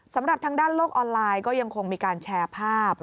สำหรับทางด้านโลกออนไลน์ก็ยังคงมีการแชร์ภาพ